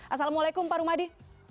assalamualaikum pak rumadi